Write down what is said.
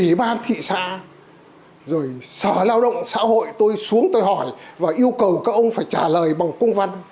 ủy ban thị xã rồi sở lao động xã hội tôi xuống tôi hỏi và yêu cầu các ông phải trả lời bằng công văn